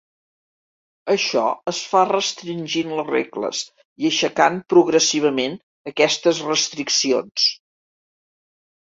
Això es fa restringint les regles i aixecant progressivament aquestes restriccions.